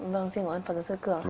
vâng xin cảm ơn phật giáo sư cửa